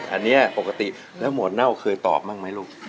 อันนี้ปกติแล้วหมวดเน่าเคยตอบบ้างไหมลูก